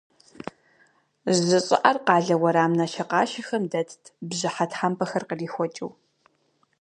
Жьы щӏыӏэр къалэ уэрам нашэкъашэхэм дэтт, бжьыхьэ тхьэмпэхэр кърихуэкӏыу.